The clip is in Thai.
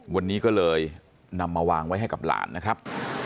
วันนี้ก็เลยนำมาวางไว้ให้กับหลานนะครับ